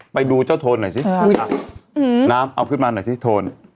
ไปดูเจ้าโทนหน่อยสิน้ำเอาขึ้นมาหน่อยสิโทน